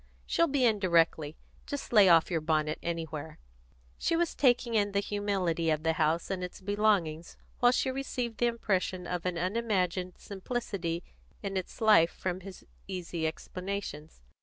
She'll be in directly. Just lay off your bonnet anywhere." She was taking in the humility of the house and its belongings while she received the impression of an unimagined simplicity in its life from his easy explanations.